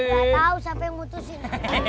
nggak tahu siapa yang mutusin